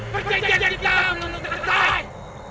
perjanjian kita belum terkesan